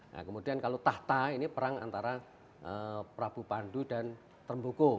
nah kemudian kalau tahta ini perang antara prabu pandu dan termbuku